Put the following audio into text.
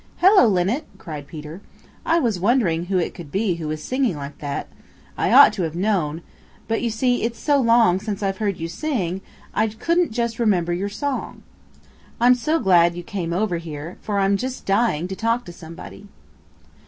"Hello, Linnet!" cried Peter. "I was wondering who it could be who was singing like that. I ought to have known, but you see it's so long since I've heard you sing that I couldn't just remember your song. I'm so glad you came over here for I'm just dying to talk to somebody."